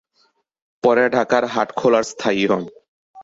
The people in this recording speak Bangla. পরে ঢাকার হাটখোলায় স্থায়ী হন।